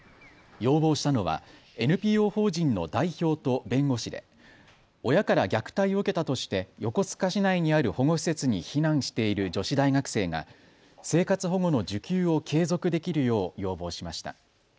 要望したのはＮＰＯ法人の代表と弁護士で親から虐待を受けたとして横須賀市内にある保護施設に避難している女子大学生が生活保護の受給を継続できるよう要望しました。